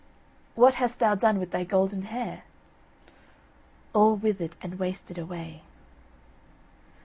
"What hast thou done with thy golden hair?" "All withered and wasted away."